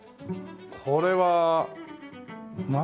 これは何を？